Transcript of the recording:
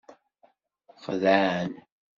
Xeddɛen.